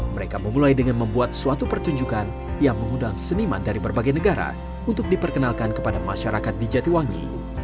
mereka memulai dengan membuat suatu pertunjukan yang mengundang seniman dari berbagai negara untuk diperkenalkan kepada masyarakat di jatiwangi